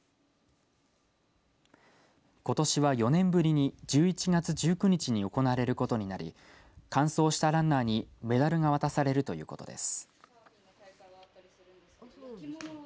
ことしは４年ぶりに１１月１９日に行われることになり完走したランナーにメダルが渡されるということです。